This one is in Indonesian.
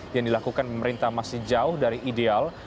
yang dilakukan pemerintah masih jauh dari ideal